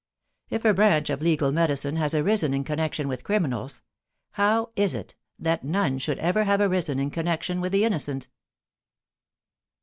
If a branch of legal medicine has arisen in connection with criminals, how is it that none should ever have arisen in connection with the innocent?